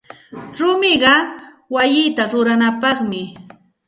Rumiqa wayita ruranapaqmi.